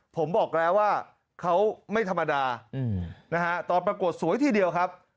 ผมบอกแล้วว่าเขาไม่ธรรมดานะฮะตอนประกวดสวยทีเดียวครับ